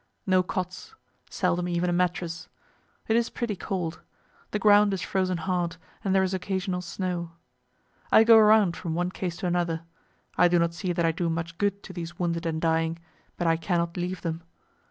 No cots; seldom even a mattress. It is pretty cold. The ground is frozen hard, and there is occasional snow. I go around from one case to another. I do not see that I do much good to these wounded and dying; but I cannot leave them.